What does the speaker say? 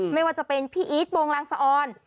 ไม่ว่าจะเป็นพี่อีทโปรงลังสะออน